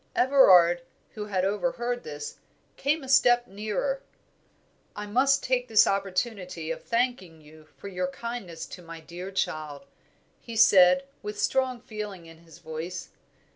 Everard, who had overheard this, came a step nearer. "I must take this opportunity of thanking you for your kindness to my dear child," he said, with strong feeling in his voice.